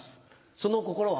その心は？